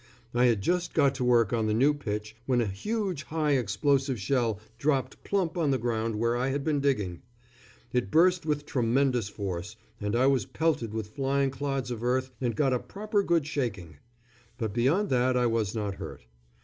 I had just got to work on the new pitch when a huge high explosive shell dropped plump on the ground where I had been digging. It burst with tremendous force, and I was pelted with flying clods of earth and got a proper good shaking; but beyond that I was not hurt.